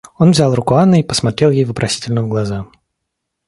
Он взял руку Анны и посмотрел ей вопросительно в глаза.